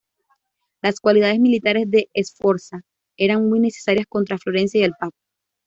Las cualidades militares de Sforza eran muy necesarias contra Florencia y el Papa.